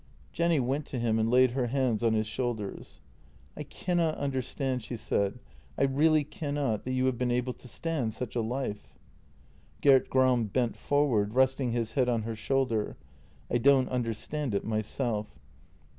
Jenny went to him and laid her hands on his shoulders: " I cannot understand," she said —" I really cannot — that you have been able to stand such a life." Gert Gram bent forward, resting his head on her shoulder: " I don't understand it myself."